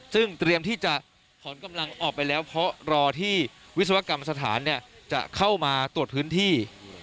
ซึ่งเตรียมที่จะถอนกำลังออกไปแล้วเพราะรอที่วิศวกรรมสถานจะเข้ามาตรวจพื้นที่